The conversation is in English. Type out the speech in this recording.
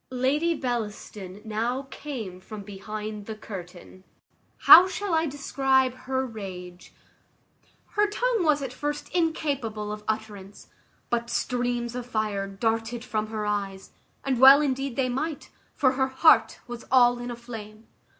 Lady Bellaston now came from behind the curtain. How shall I describe her rage? Her tongue was at first incapable of utterance; but streams of fire darted from her eyes, and well indeed they might, for her heart was all in a flame.